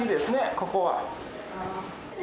ここは。